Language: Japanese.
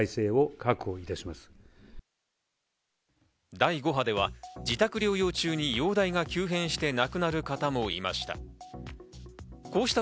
第５波では自宅療養中に容体が急変して亡くなる方もいました。